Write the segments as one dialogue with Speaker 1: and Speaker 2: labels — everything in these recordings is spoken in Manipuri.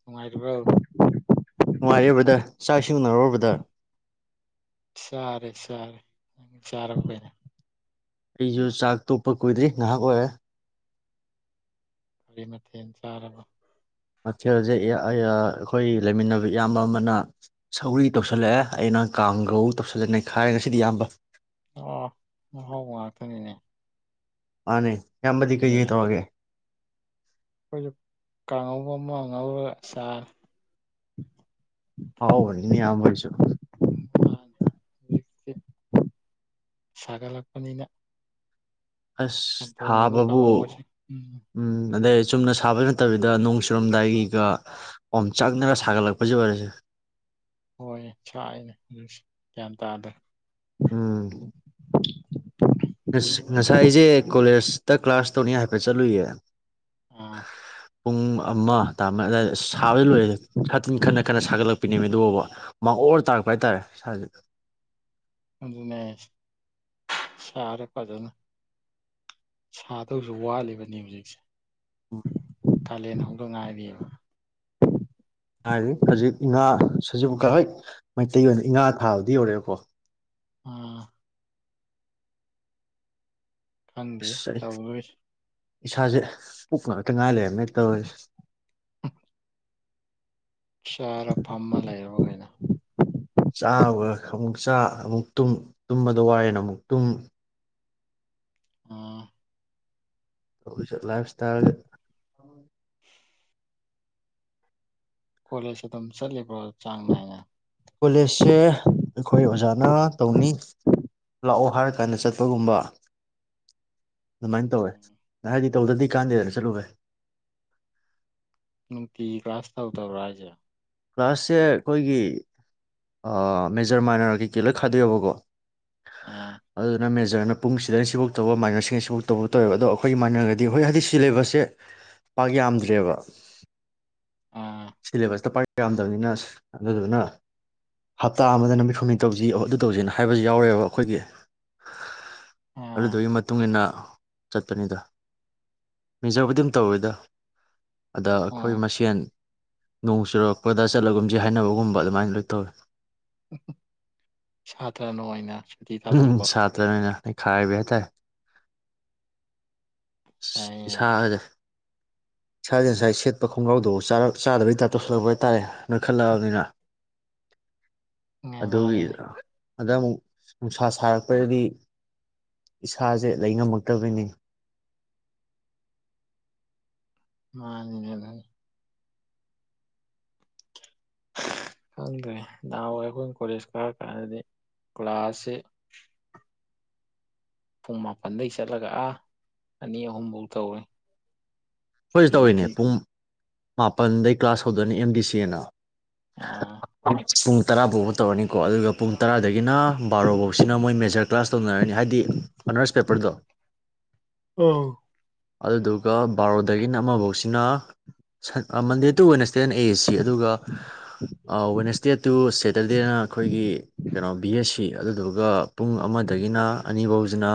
Speaker 1: ꯅꯨꯡꯉꯥꯏꯔꯤꯕ꯭ꯔꯣ
Speaker 2: ꯅꯨꯡꯉꯥꯏꯔꯤ ꯕꯔꯗꯔ ꯆꯥꯛ ꯏꯁꯤꯡ ꯎꯅꯔꯕꯣ ꯕꯔꯗꯔ
Speaker 1: ꯆꯥꯔꯦ ꯆꯥꯔꯦ ꯅꯪ ꯆꯥꯔꯕꯣꯅꯦ
Speaker 2: ꯑꯩꯁꯨ ꯆꯥꯛ ꯇꯣꯛꯄ ꯀꯨꯏꯗ꯭ꯔꯤ ꯉꯥꯏꯍꯥꯛ ꯑꯣꯏꯔꯦ
Speaker 1: ꯀꯔꯤ ꯃꯊꯦꯜ ꯆꯥꯔꯕ
Speaker 2: ꯃꯊꯦꯜꯁꯦ ꯑꯩꯈꯣꯏ ꯂꯩꯃꯤꯟꯅꯕ ꯏꯌꯥꯝꯕ ꯑꯃꯅ ꯁꯧꯔꯤ ꯇꯧꯁꯤꯜꯂꯛꯑꯦ ꯑꯩꯅ ꯀꯥꯡꯒꯧ ꯇꯧꯁꯤꯜꯂꯦ ꯅꯩꯈꯥꯏꯔꯦ ꯉꯁꯤꯗꯤ ꯏꯌꯥꯝꯕ
Speaker 1: ꯑ ꯑꯍꯥꯎꯕ ꯉꯥꯛꯇꯅꯤꯅꯦ
Speaker 2: ꯃꯥꯅꯦ ꯏꯌꯥꯝꯕꯗꯤ
Speaker 1: ꯌꯥꯏ ꯌꯥꯏ
Speaker 2: ꯀꯩ ꯀꯩ ꯇꯧꯔꯒꯦ
Speaker 1: ꯑꯩꯈꯣꯏꯁꯨ ꯀꯥꯡꯉꯧꯕ ꯑꯃ ꯉꯧꯔꯒ ꯆꯥꯔꯦ
Speaker 2: ꯑꯍꯥꯎꯕꯅꯤꯅꯦ ꯏꯌꯥꯝꯕꯣꯏꯁꯨ
Speaker 1: ꯃꯥꯅꯦ ꯍꯧꯖꯤꯛꯇꯤ ꯁꯥꯒꯠꯂꯛꯄꯅꯤꯅ
Speaker 2: ꯑꯁ
Speaker 1: ꯆꯝꯊꯣꯡꯒꯨꯝꯕ
Speaker 2: ꯁꯥꯕ ꯕꯨ
Speaker 1: ꯀꯥꯡꯍꯧꯕꯁꯦ
Speaker 2: ꯎꯝ ꯑꯗꯩ ꯆꯨꯝꯅ ꯁꯥꯕꯩ ꯅꯠꯇꯕꯤꯗ ꯅꯣꯡ ꯆꯨꯔꯝꯗꯥꯏꯒꯤꯒ ꯑꯣꯝꯆꯥꯛꯅꯔ ꯁꯥꯒꯠꯂꯛꯄꯁꯦ ꯑꯣꯏꯔꯦꯁꯦ
Speaker 1: ꯍꯣꯏ ꯁꯥꯏꯅꯦ ꯑꯗꯨꯁꯨ ꯒ꯭ꯌꯥꯟ ꯇꯥꯗꯦ
Speaker 2: ꯎꯝ ꯉꯁꯥꯏ ꯑꯩꯁꯦ ꯀꯣꯂꯦꯖꯇ ꯀ꯭ꯂꯥꯁ ꯇꯧꯅꯤ ꯍꯥꯏꯐꯦꯠ ꯆꯠꯂꯨꯏꯌꯦ
Speaker 1: ꯑꯥ
Speaker 2: ꯄꯨꯡ ꯑꯃ ꯇꯥꯃ ꯑꯗꯨꯏꯗ ꯁꯥꯕꯗ ꯂꯣꯏꯔꯦ ꯁꯥꯇꯤꯟ ꯈꯅ ꯈꯟꯅ ꯁꯥꯒꯠꯂꯛꯄꯤꯅꯦꯃꯦ ꯑꯗꯨꯐꯥꯎꯕ ꯍꯨꯃꯥꯡ ꯑꯣꯔ ꯇꯥꯔꯛꯄ ꯍꯥꯏꯇꯥꯔꯦ ꯏꯁꯥꯁꯤꯗ
Speaker 1: ꯑꯗꯨꯅꯦ ꯁꯥꯔꯦ ꯐꯖꯅ ꯁꯥꯗꯕꯁꯨ ꯋꯥꯠꯂꯤꯕꯅꯦ ꯍꯧꯖꯤꯛꯁꯦ
Speaker 2: ꯑ
Speaker 1: ꯀꯥꯂꯦꯟ ꯍꯧꯗ ꯉꯥꯏꯔꯤꯌꯦꯕ
Speaker 2: ꯍꯥꯏꯗꯤ ꯍꯧꯖꯤꯛ ꯏꯉꯥ ꯁꯖꯤꯕꯨꯀ ꯍꯣꯏ ꯃꯩꯇꯩ ꯑꯣꯏꯅ ꯏ ꯉꯥ ꯊꯥꯕꯗꯤ ꯌꯧꯔꯛꯑꯦꯕꯀꯣ
Speaker 1: ꯑꯥ ꯈꯪꯗꯦ
Speaker 2: ꯑꯁ ꯑꯩ
Speaker 1: ꯇꯧꯗꯣꯏꯁꯦ
Speaker 2: ꯏꯁꯥꯁꯦ ꯄꯨꯛ ꯉꯥꯛꯇ ꯉꯥꯏ ꯂꯩꯔꯝꯃꯦ ꯇꯧꯔꯤꯁꯦ
Speaker 1: ꯆꯔ ꯐꯝꯃ ꯂꯩꯔꯕ ꯀꯩꯅꯣ
Speaker 2: ꯆꯥꯕ ꯑꯃꯨꯛ ꯆꯥꯥ ꯑꯃꯨꯛ ꯇꯨꯝꯕꯗ ꯋꯥꯔꯦꯅ ꯑꯃꯨꯛ ꯇꯨꯝ
Speaker 1: ꯑꯥ
Speaker 2: ꯂꯥꯏꯐ ꯁ꯭ꯇꯥꯏꯜ
Speaker 1: ꯀꯣꯂꯦꯖ ꯑꯗꯨꯝ ꯆꯠꯂꯤꯕ꯭ꯔꯣ ꯆꯥꯡ ꯅꯥꯏꯅ
Speaker 2: ꯀꯣꯂꯦꯖꯁꯦ ꯑꯩꯈꯣꯏ ꯑꯣꯖꯥꯅ ꯇꯧꯅꯤ ꯂꯥꯛꯑꯣ ꯍꯥꯏꯔꯀꯥꯟꯗ ꯆꯠꯄꯒꯨꯝꯕ ꯑꯗꯨꯃꯥꯏꯅ ꯇꯧꯋꯦ
Speaker 1: ꯎꯝ
Speaker 2: ꯍꯥꯏꯗꯤ ꯇꯧꯗꯗꯤ ꯀꯥꯟꯗꯦꯗꯅ ꯆꯂꯨ ꯥꯏ
Speaker 1: ꯅꯨꯡꯇꯤꯒꯤ ꯀ꯭ꯂꯥꯁ ꯇꯧꯗꯕ꯭ꯔꯥ ꯍꯥꯏꯁꯦ
Speaker 2: ꯀ꯭ꯂꯥꯁꯁꯦ ꯑꯩꯈꯣꯏꯒꯤ ꯃꯦꯖꯔ ꯃꯥꯏꯅꯔ ꯀꯩ ꯀꯩ ꯂ ꯈꯥꯗꯣꯏꯑꯕꯀꯣ
Speaker 1: ꯑꯥ
Speaker 2: ꯑꯗꯨ ꯅ ꯐꯖꯅ ꯄꯨꯡ ꯁꯤꯗ ꯁꯤꯐꯧ ꯇꯧꯕ ꯃꯥꯏꯅꯔꯁꯤꯅ ꯁꯤꯐꯧ ꯇꯧꯕ ꯇꯧꯋꯦꯕ ꯑꯗꯣ ꯑꯩꯈꯣꯏꯒꯤꯥꯏꯅꯔꯒꯗꯤ ꯍꯣꯏ ꯍꯥꯏꯗꯤ ꯁꯤꯂꯦꯕꯁꯁꯦ ꯄꯥꯛ ꯌꯥꯝꯗ꯭ꯔꯦꯕ
Speaker 1: ꯑꯥ
Speaker 2: ꯁꯤꯂꯦꯕꯁꯇ ꯄꯥꯏ ꯌꯥꯝꯗꯕꯅꯤꯅ ꯑꯗꯨꯗꯨꯅ ꯍꯞꯇꯥ ꯑꯃꯗ ꯅꯨꯃꯤꯠ ꯍꯨꯝꯅꯤꯠ ꯇꯧꯁꯤ ꯑꯗꯨ ꯇꯧꯁꯤꯅ ꯍꯥꯏꯕꯁꯨ ꯌꯥꯎꯔꯦꯕ ꯑꯩꯈꯣꯏꯒꯤ
Speaker 1: ꯑꯥ
Speaker 2: ꯑꯗꯨꯗꯨꯒꯤ ꯃꯇꯨꯡ ꯏ ꯃꯇꯨꯡꯏꯟꯅ ꯆꯠꯄꯅꯤꯗ ꯃꯤꯖꯕꯨꯗꯤꯝ ꯇꯧꯋꯦꯗ ꯑꯗ ꯑꯩꯈꯣꯏ
Speaker 1: ꯑꯣ
Speaker 2: ꯃꯁꯦꯟ ꯅꯣꯡ ꯆꯨꯔꯛꯄꯗ ꯆꯠꯂꯒꯨꯝꯁꯦ ꯍꯥꯏꯅꯕꯒꯨꯝꯕ ꯑꯗꯨꯃꯥꯏꯅ ꯂꯣꯏ ꯇꯧꯋꯏꯤ
Speaker 1: ꯁꯥꯇ꯭ꯔ ꯅꯣ ꯑꯏꯅ
Speaker 2: ꯎꯝ ꯁꯥꯇ꯭ꯔ ꯃꯅ ꯈꯥꯏꯕꯇꯔ
Speaker 1: ꯌꯥꯏ ꯌꯥꯏ
Speaker 2: ꯁꯥꯔꯦ ꯁꯥꯗ ꯉꯁꯥꯏ ꯁꯦꯠꯄ ꯈꯣꯡꯒ꯭ꯔꯥꯎꯗꯨ ꯆꯥꯗꯕꯩꯗꯥꯛ ꯇꯧꯁꯤꯜꯂꯛꯄ ꯍꯥꯏꯇꯥꯔꯦ ꯅꯣꯏ ꯈꯜꯂꯛꯑꯕꯅꯤꯅ
Speaker 1: ꯅꯦ
Speaker 2: ꯑꯗꯨꯗꯣꯒꯤ
Speaker 1: ꯃꯥꯅꯤꯅꯦ
Speaker 2: ꯑ ꯅꯨꯡꯁꯥ ꯁꯥꯔꯛꯄꯗꯗꯤ ꯏꯁꯥꯁꯦ ꯂꯩꯉꯝꯃꯛꯇꯕꯅꯤ
Speaker 1: ꯑꯅꯤꯅꯦꯅꯦꯅꯤ ꯈꯪꯗ꯭ꯔꯦ ꯅꯍꯥꯟꯋꯥꯏ ꯑꯩꯈꯣꯏꯅ ꯀꯣꯂꯦꯖ ꯀꯥꯔꯛ ꯀꯥꯟꯗꯗꯤ ꯀ꯭ꯂꯥꯁꯁꯤ ꯄꯨꯡ ꯃꯥꯄꯜꯗꯩ ꯆꯠꯂꯒ ꯑꯥ ꯑꯅꯤ ꯑꯍꯨꯝꯐꯧ ꯇꯧꯔꯦ
Speaker 2: ꯑꯩꯈꯣꯏꯁꯨ ꯇꯧꯔꯤꯅꯦ ꯄꯨꯡ ꯃꯥꯄꯜꯗꯩ ꯀ꯭ꯂꯥꯁ ꯍꯧꯗꯣꯏꯅꯤ ꯑꯦꯝ ꯗꯤ ꯁꯤ ꯑꯅ
Speaker 1: ꯑꯥ
Speaker 2: [inaudible] ꯄꯨꯡ ꯇꯔꯥꯐꯥꯎꯕ ꯇꯧꯔꯅꯤꯀꯣ ꯑꯗꯨꯒ ꯄꯨꯡ ꯇꯔꯥꯗꯒꯤꯅ ꯕꯥꯔꯣꯐꯧꯁꯤꯅ ꯃꯣꯏ ꯃꯦꯖꯔ ꯀ꯭ꯂꯥꯁ ꯇꯧꯅꯔꯅꯤ ꯍꯥꯏꯗꯤ ꯑꯅꯔꯁ ꯄꯦꯄꯔꯗꯣ
Speaker 1: ꯑ
Speaker 2: ꯑꯗꯨꯗꯨꯒ ꯕꯥꯔꯣꯗꯒꯤꯅ ꯑꯃꯐꯧꯁꯤꯅ ꯃꯟꯗꯦ ꯇꯨ ꯋꯦꯟꯁꯗꯦꯅ ꯑꯦ ꯑꯦꯁ ꯁꯤ ꯑꯗꯨꯒ ꯋꯦꯟꯁꯗꯦ ꯇꯨ ꯁꯦꯇꯔꯗꯦꯅ ꯑꯩꯈꯣꯏꯒꯤ ꯀꯩꯅꯣ ꯕꯤ ꯑꯦꯁ ꯁꯤ ꯑꯗꯨꯗꯨꯒ ꯄꯨꯡ ꯑꯃꯗꯒꯤꯅ ꯑꯅꯤꯐꯧꯁꯤꯅ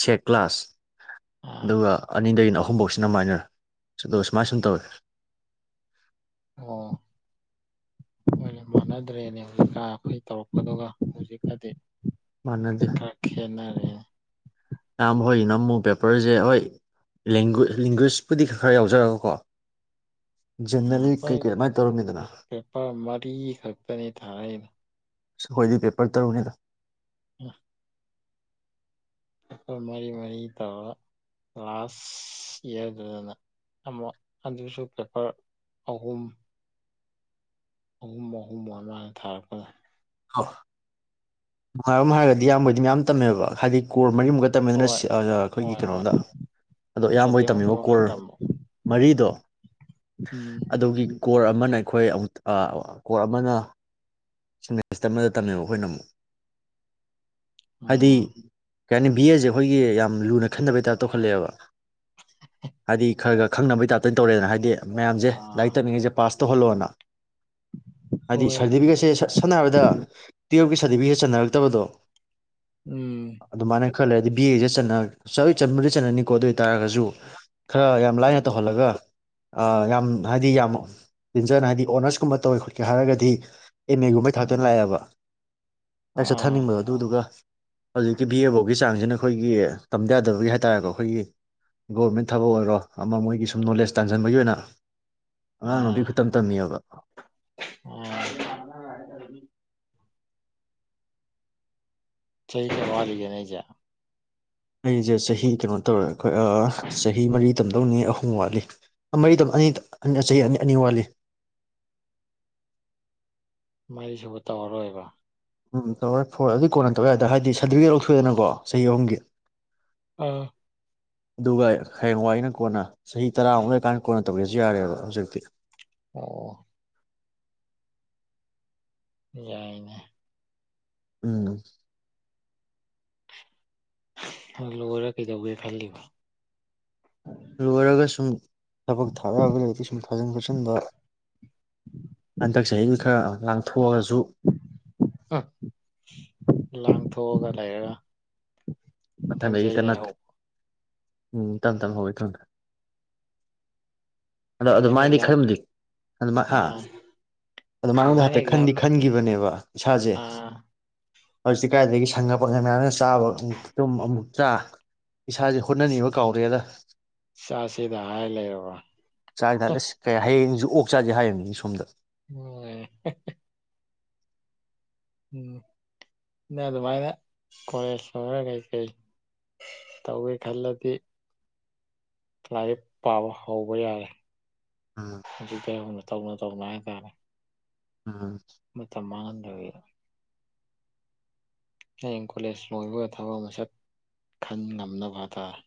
Speaker 2: ꯁꯦꯛ ꯀ꯭ꯂꯥꯁ
Speaker 1: ꯑꯥ
Speaker 2: ꯑꯗꯨꯒ ꯑꯅꯤꯗꯒꯤꯅ ꯑꯍꯨꯝꯐꯧꯁꯤꯅ ꯃꯥꯏꯅꯔ ꯑꯗꯨꯒ ꯁꯨꯃꯥꯏ ꯁꯨꯝ ꯇꯧꯋꯦ
Speaker 1: ꯑꯣ ꯍꯣꯏꯅꯦ ꯃꯥꯟꯅꯗ꯭ꯔꯦꯅꯦꯀꯥ ꯑꯩꯈꯣꯏ ꯇꯧꯔꯛꯄꯗꯨꯒ ꯍꯧꯖꯤꯀꯗꯤ
Speaker 2: ꯃꯅꯗꯤ ꯀꯝ ꯍꯅ ꯨ ꯄꯦꯄꯔꯁꯦ ꯍꯣꯏ ꯂꯦꯡꯒ꯭ꯋꯤꯁꯄꯨꯗꯤ ꯈꯔ ꯈꯔ ꯌꯥꯎꯖꯔꯒꯀꯣ
Speaker 1: ꯎꯝ
Speaker 2: ꯖꯦꯅꯔꯦꯜ
Speaker 1: ꯑꯩꯈꯣꯏ
Speaker 2: ꯀꯩꯀꯩ ꯑꯗꯨꯃꯥꯏꯅ ꯇꯧꯔꯝꯃꯤꯗꯅ
Speaker 1: ꯄꯦꯄꯔ ꯃꯔꯤ ꯈꯛꯇꯅꯤ ꯊꯥꯔꯛꯏꯅ
Speaker 2: ꯍꯣꯏꯗꯤ ꯄꯦꯄꯔ ꯇꯔꯨꯅꯦꯒ
Speaker 1: ꯎꯝ ꯄꯦꯄꯔ ꯃꯔꯤ ꯃꯔꯤ ꯇꯧꯔꯒ ꯂꯥꯁ ꯏꯌꯥꯔꯗꯨꯗꯅ ꯑꯃ ꯑꯗꯨꯁꯨ ꯄꯦꯄꯔ ꯑꯍꯨꯝ ꯑꯍꯨꯝ ꯑꯍꯨꯝ ꯑꯃꯗ ꯊꯥꯔꯛꯄꯗ
Speaker 2: ꯑ ꯅꯨꯡꯉꯥꯏꯔꯝ ꯍꯥꯏꯔꯒꯗꯤ ꯌꯥꯝꯌꯥꯝꯕꯗꯤ ꯃꯌꯥꯝ ꯇꯝꯃꯦꯕ ꯍꯥꯏꯗꯤ ꯀꯣꯔ ꯃꯔꯤꯃꯨꯛꯀ ꯇꯝꯃꯤꯗꯨꯅ
Speaker 1: ꯍꯣꯏ
Speaker 2: ꯑꯩꯈꯣꯏꯒꯤ
Speaker 1: ꯍꯣꯏ ꯍꯣꯏ
Speaker 2: ꯀꯩꯅꯣꯝꯗ ꯑꯗꯣ ꯑꯌꯥꯝꯕꯒꯤ
Speaker 1: ꯁꯕꯖꯦꯛ ꯃꯈꯜ
Speaker 2: ꯇꯝꯃꯤꯕ
Speaker 1: ꯃꯈꯜ
Speaker 2: ꯀꯣꯔ
Speaker 1: ꯇꯝꯕ
Speaker 2: ꯃꯔꯤꯗꯣ
Speaker 1: ꯎꯝ
Speaker 2: ꯑꯗꯨꯒꯤ ꯀꯣꯔ ꯑꯃꯅ ꯑꯩꯈꯣꯏ ꯑꯃꯨ ꯀꯣꯔꯣꯛ ꯑꯃꯅ ꯃꯦꯁꯇ ꯑꯃꯗ ꯇꯝꯃꯦꯕ ꯑꯩꯈꯣꯏꯅ ꯑꯃꯨꯛ ꯑꯗꯤ
Speaker 1: ꯑꯥ
Speaker 2: ꯀꯩ ꯍꯥꯏꯅꯤ ꯕꯤ ꯑꯦꯁꯦ ꯑꯩꯈꯣꯏꯒꯤ ꯌꯥꯝ ꯂꯨꯅ ꯈꯟꯅꯕꯩ ꯇꯥꯏꯞꯇ ꯇꯧꯈꯠꯂꯛꯑꯦꯕ ꯍꯥꯏꯗꯤ ꯈꯔ ꯈꯔ ꯈꯪꯅꯕꯩ ꯇꯥꯏꯞꯇ ꯇꯧꯔꯦꯗꯅ ꯍꯥꯏꯗꯤ ꯃꯌꯥꯝꯁꯦ
Speaker 1: ꯑꯥ
Speaker 2: ꯂꯥꯏꯔꯤꯛ ꯇꯝꯅꯤꯡꯉꯩꯤꯁꯦ ꯄꯥꯁ ꯇꯣꯍꯂꯅ ꯍꯥꯏꯗꯤ
Speaker 1: ꯍꯣꯏ
Speaker 2: ꯁꯔꯇꯤꯐꯤꯀꯦꯠꯁꯦ ꯍꯥꯏꯔꯕꯗ ꯇꯨꯌꯦꯞꯀꯤ ꯁꯥꯔꯇꯤꯐꯤꯀꯦꯠ ꯆꯟꯅꯔꯛꯇꯕꯗꯣ
Speaker 1: ꯎꯝ
Speaker 2: ꯈꯜ ꯂꯩꯔꯗꯤ ꯕꯤ ꯑꯦꯁꯦ ꯆꯠꯅ ꯆꯣꯏ ꯆꯟ ꯃꯗ ꯆꯠꯅꯅꯤꯀꯣ ꯑꯗꯨ ꯑꯣꯏ ꯇꯥꯔꯒꯁꯨ ꯈꯔ ꯌꯥꯝ ꯂꯥꯏꯅ ꯇꯧꯍꯜꯂꯒ ꯌꯥꯝ ꯍꯥꯏꯗꯤ ꯌꯥꯝ ꯇꯤꯟꯖꯅ ꯍꯥꯏꯗꯤ ꯑꯣꯅꯔꯁꯀꯨꯝꯕ ꯇꯧꯋꯦ ꯈꯣꯠꯀꯦ ꯍꯥꯏꯔꯒꯗꯤ ꯑꯦꯝ ꯑꯦꯒꯨꯝꯕꯩ ꯊꯥꯛꯇꯅ
Speaker 1: ꯑꯥ
Speaker 2: ꯂꯥꯛꯑꯦꯕ ꯍꯥꯛ
Speaker 1: ꯑꯥ ꯑꯥ
Speaker 2: ꯆꯠꯊꯅꯤꯡꯕꯗꯣ ꯑꯗꯨꯗꯨꯒ ꯍꯧꯖꯤꯛꯀꯤ ꯚ ꯑꯦꯐꯧꯒꯤ ꯆꯥꯡꯁꯤꯅ ꯑꯩꯈꯣꯏꯒꯤ ꯇꯝꯗ ꯌꯥꯗꯕꯒꯤ ꯍꯥꯏ ꯇꯥꯔꯦꯀꯣ ꯑꯩꯈꯣꯏꯒꯤ ꯒꯣꯔꯃꯦꯟ ꯊꯕꯛ ꯑꯣꯏꯔꯣ ꯑꯃ ꯃꯣꯏꯒꯤ ꯁꯨꯝ ꯅꯣꯂꯦꯖ ꯇꯥꯡꯁꯤꯟꯕꯒꯤ ꯑꯣꯏꯅ ꯑꯉꯥꯡ ꯅꯨꯕꯤ ꯈꯨꯛꯇꯪ ꯇꯝꯃꯤꯌꯕ
Speaker 1: ꯑꯗꯤ ꯆꯍꯤ ꯀꯋꯥ ꯂꯤ ꯅꯖ
Speaker 2: ꯑꯩꯁꯦ ꯆꯍꯤ ꯀꯩꯅꯣ ꯇꯧꯔꯦ ꯑꯩꯈꯣꯏ ꯆꯍꯤ ꯃꯔꯤ ꯇꯝꯗꯧꯅꯤ ꯑꯍꯨꯝ ꯋꯥꯠꯂꯤ ꯃꯔꯤ ꯑꯅꯤ ꯆꯍꯤ ꯑꯅꯤ ꯑꯅꯤ ꯋꯥꯠꯂꯤ
Speaker 1: ꯃꯥꯏꯗꯤ ꯁꯨꯕ ꯇꯧꯔꯔꯣꯏꯕ
Speaker 2: ꯎꯝ ꯇꯧꯔꯦ ꯐꯣꯏꯦ ꯑꯗꯨꯏ ꯀꯣꯟꯅ ꯇꯧꯔꯦ ꯑꯗ ꯍꯥꯏꯗꯤ ꯁꯥꯔꯇꯤꯐꯤꯀꯦꯠ ꯂꯧꯊꯣꯛꯑꯦꯗꯅꯀꯣ ꯆꯍꯤ ꯑꯍꯨꯝꯒꯤ
Speaker 1: ꯑꯥ
Speaker 2: ꯑꯗꯨꯒ ꯍꯌꯦꯡꯋꯥꯏꯩꯅ ꯀꯣꯟꯅ ꯆꯍꯤ ꯇꯔꯥꯃꯨꯛ ꯂꯩꯔꯀꯥꯟꯗ ꯀꯣꯟꯅ ꯇꯧꯒꯦꯁꯤ ꯌꯥꯔꯦꯕ ꯍꯧꯖꯤꯛꯇꯤ
Speaker 1: ꯑꯣ ꯌꯥꯏꯅꯦ
Speaker 2: ꯎꯝ
Speaker 1: ꯍ ꯂꯔ ꯀꯗꯧꯕꯦ ꯐꯜꯂꯤꯕ
Speaker 2: ꯂꯣꯏꯔꯒ ꯁꯨꯝ ꯊꯕꯛ ꯊꯥꯔꯛꯑꯒ ꯂꯩꯗꯤ ꯁꯨꯝ ꯊꯥꯖꯤꯟ ꯈꯣꯠꯆꯤꯟꯕ ꯍꯟꯗꯛ ꯆꯍꯤ ꯈꯔ ꯉꯊ
Speaker 1: ꯑ ꯂ ꯁꯒ ꯂꯑꯒ
Speaker 2: ꯑꯈꯟꯗ ꯑꯩ ꯀ ꯎꯝ ꯇꯝ ꯇꯝ ꯍꯋ ꯊꯟꯊ ꯑꯗꯣ
Speaker 1: ꯑꯗꯨꯃꯥꯏꯅ
Speaker 2: ꯑꯗꯨꯃꯥꯏꯅꯗꯤ
Speaker 1: ꯑꯦꯛꯖꯥꯝ
Speaker 2: ꯈꯔꯗꯤ ꯑꯗꯨ ꯑ ꯑꯗꯨꯃꯉꯣꯟꯗ
Speaker 1: ꯑꯗꯨꯃꯥꯏꯅ
Speaker 2: ꯍꯥꯏꯐꯦ
Speaker 1: ꯑꯦꯛꯖꯥꯝ
Speaker 2: ꯈꯗꯤ ꯈꯟꯈꯤꯕꯅꯦꯕ ꯏꯁꯥꯁꯦ ꯍꯧꯖꯤꯛꯇꯤ ꯀꯥꯏꯗꯒꯤ ꯁꯪꯉꯄ ꯃꯌꯥꯝꯅ ꯆꯥꯕ ꯇꯨꯝ ꯑꯃꯨꯛ ꯆꯥꯛ ꯏꯁꯥꯁꯦ ꯍꯣꯠꯅꯅꯤꯡꯕ ꯀꯥꯎꯔꯦꯗ
Speaker 1: ꯁꯥꯁꯤꯗ ꯍꯥꯏ ꯂꯩꯔ
Speaker 2: ꯆꯥꯛꯗ ꯑꯁ ꯀꯩ ꯍꯌꯦꯡꯁꯨ ꯑꯣꯛ ꯆꯥꯁꯦ ꯍꯥꯏꯔꯅꯤ ꯁꯣꯝꯗ
Speaker 1: ꯑꯣ ꯎꯝꯩꯅ ꯑꯗꯨꯃꯥꯏꯅ ꯀꯣꯂꯦꯖ ꯂꯣꯏꯔ ꯀꯩꯀꯩ ꯇꯧꯏꯦ ꯈꯜꯂꯗꯤ ꯂꯥꯏꯔꯤꯛ ꯄꯥꯕ ꯍꯧꯕ ꯌꯥꯔꯦ
Speaker 2: ꯎꯝ
Speaker 1: ꯍꯧꯖꯤꯛꯇꯩ ꯍꯧꯅ ꯇꯧꯅ ꯇꯧꯅ ꯍꯥꯏꯇꯥꯔꯦ
Speaker 2: ꯎꯝ
Speaker 1: ꯃꯇꯝ ꯃꯥꯡꯍꯟꯗꯕꯤꯗ ꯍꯌꯦꯡ ꯀꯣꯂꯦꯖ ꯂꯣꯏꯕꯒ ꯊꯕꯛ ꯃꯁꯛ ꯈꯟ ꯉꯝꯅꯕ ꯍꯥꯏꯇꯥꯥꯔꯦ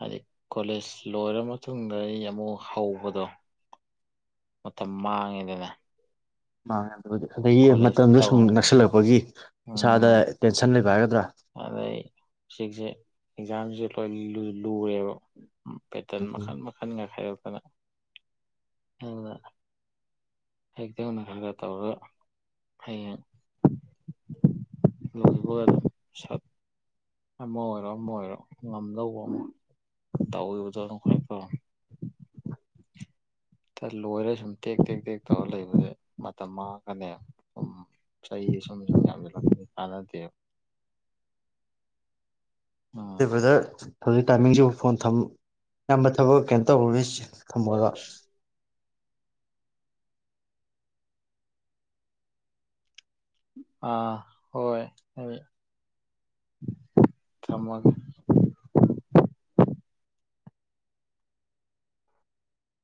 Speaker 1: ꯍꯥꯏꯗꯤ ꯀꯣꯂꯦꯖ ꯂꯣꯏꯔ ꯃꯇꯨꯡꯗ ꯑꯩ ꯑꯃꯨꯛ ꯍꯧꯕꯗꯣ ꯃꯇꯝ ꯃꯥꯡꯉꯦꯗꯅ
Speaker 2: [unintelligible] [unintelligible] ꯑꯗꯒꯤ
Speaker 1: ꯀꯣꯂꯦꯖ
Speaker 2: ꯃꯇꯝꯗꯣ
Speaker 1: ꯇꯧ
Speaker 2: ꯁꯨꯝ ꯅꯛꯁꯤꯜꯂꯛꯄꯒꯤ
Speaker 1: ꯎꯝ
Speaker 2: ꯏꯁꯥꯗ ꯇꯦꯟꯁꯟ ꯂꯩꯕ ꯍꯥꯏꯒꯗ꯭ꯔꯥ
Speaker 1: ꯑꯦꯛꯖꯥꯝ ꯖꯦ ꯂꯣꯏ ꯂꯨ ꯂꯨꯔꯦꯕ ꯄꯦꯇꯔꯟ
Speaker 2: ꯎꯝ ꯎꯝ
Speaker 1: ꯃꯈꯟ ꯃꯈꯟꯒ ꯈꯥꯏꯗꯣ ꯇꯅ ꯑꯗꯨꯗ ꯍꯖꯤꯛꯇꯩ ꯍꯧꯅ ꯈꯔ ꯈꯔ ꯇꯧꯔꯒ ꯍꯌꯦꯡ ꯂꯣꯏꯕꯒ ꯑꯗꯨꯝ ꯁꯠ ꯑꯃ ꯑꯣꯏꯔꯣ ꯑꯃ ꯑꯣꯏꯔꯣ ꯉꯝꯗꯧꯕ ꯑꯃ ꯇꯧꯒꯤꯕꯗꯣ ꯑꯗꯨꯅ ꯈꯋꯥꯏ ꯐꯔꯦ꯫ ꯇ ꯂꯣꯏꯔ ꯁꯨꯝ ꯇꯦꯛ ꯇꯦꯛ ꯇꯦꯛ ꯇꯧꯔ ꯂꯩꯕꯖꯦ ꯃꯇꯝ ꯃꯥꯡꯉꯒꯅꯦ ꯁꯨꯝ ꯆꯍꯤ ꯁꯨꯝ ꯁꯨꯝ ꯌꯥꯝꯖꯤꯜꯂꯛꯀꯅꯤ ꯀꯥꯟꯅꯗꯦꯕ꯫ ꯎꯝ
Speaker 2: ꯑ ꯕ꯭ꯔꯗꯔ ꯍꯧꯖꯤꯛ ꯇꯥꯏꯃꯤꯡꯁꯤꯕꯨ ꯐꯣꯟ ꯊꯝ ꯑꯌꯥꯝꯕ ꯊꯕꯛ ꯀꯩꯅꯣ ꯇꯧꯔꯔꯤ ꯆꯤꯟ ꯊꯝꯃꯣꯔꯣ?
Speaker 1: ꯑꯥ ꯍꯣꯏ ꯑꯗꯨꯗꯤ ꯊꯝꯃꯒꯦ꯫